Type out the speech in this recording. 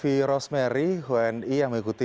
baik ibu evie rosemary honi yang mengikuti perbangan reputasi